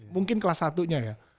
mungkin kelas satu nya ya